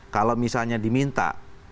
kalau misalnya diminta